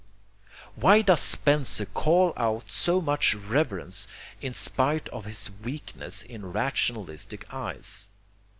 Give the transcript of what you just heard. Why does Spencer call out so much reverence in spite of his weakness in rationalistic eyes?